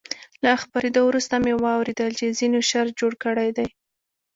له خپرېدو وروسته مې واورېدل چې ځینو شر جوړ کړی دی.